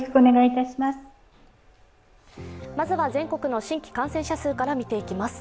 まずは全国の新規感染者数から見ていきます。